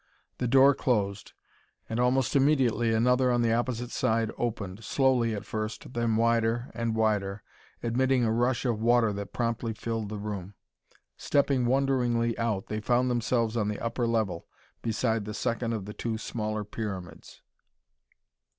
The door closed, and almost immediately another on the opposite side opened, slowly at first, then wider and wider, admitting a rush of water that promptly filled the room. Stepping wonderingly out, they found themselves on the upper level, beside the second of the two smaller pyramids.